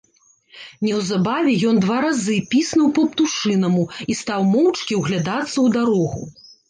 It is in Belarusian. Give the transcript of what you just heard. Неўзабаве ён два разы піснуў па-птушынаму і стаў моўчкі ўглядацца ў дарогу.